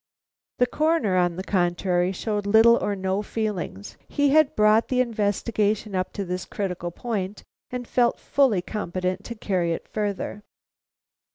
The Coroner, on the contrary, showed little or no feeling; he had brought the investigation up to this critical point and felt fully competent to carry it farther.